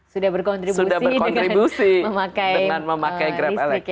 sudah berkontribusi dengan memakai grab elektrik